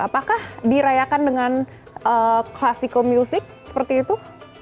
apakah dirayakan dengan klasikal musik seperti itu